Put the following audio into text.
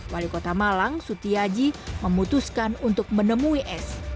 wali kota malang sutiaji memutuskan untuk menemui s